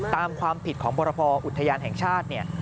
ตามความผิดของบรพออุทยานแห่งชาติเนี่ย